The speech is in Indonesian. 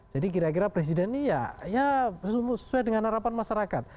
jadi kira kira presiden ini ya sesuai dengan harapan masyarakat